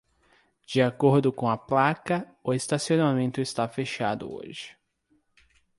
De acordo com a placa, o estacionamento está fechado hoje